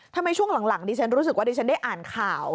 ช่วงหลังดิฉันรู้สึกว่าดิฉันได้อ่านข่าว